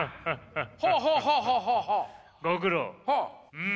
うん。